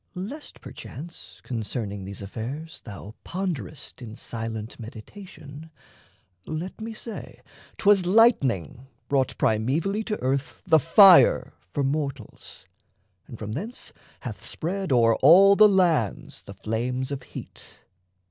Lest, perchance, Concerning these affairs thou ponderest In silent meditation, let me say 'Twas lightning brought primevally to earth The fire for mortals, and from thence hath spread O'er all the lands the flames of heat.